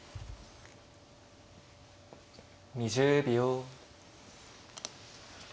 ２０秒。